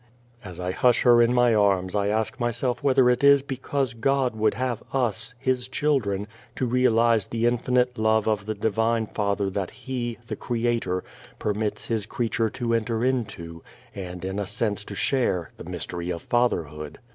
As I hush her in my arms I ask myself whether it is because God would have us, His children, to realise the infinite love of the Divine Father that He, the Creator, permits His creature to enter into, and in a sense to share, the mystery of Fatherhood.